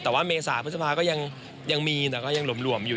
แต่ว่าเมษาพฤษภาก็ยังมีแต่ก็ยังหลวมอยู่